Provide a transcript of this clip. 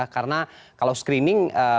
karena kalau screening